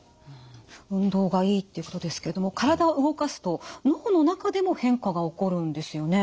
運動がいいっていうことですけども体を動かすと脳の中でも変化が起こるんですよね。